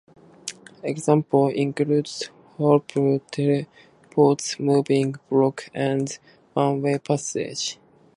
Examples include holes, teleports, moving blocks and one-way passages.